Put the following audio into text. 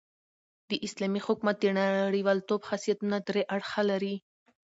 د اسلامي حکومت د نړۍوالتوب خاصیتونه درې اړخه لري.